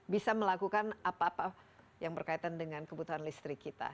bisa melakukan apa apa yang berkaitan dengan kebutuhan listrik kita